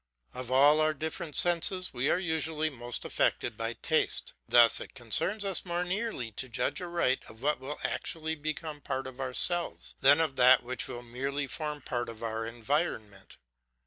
Of all our different senses, we are usually most affected by taste. Thus it concerns us more nearly to judge aright of what will actually become part of ourselves, than of that which will merely form part of our environment.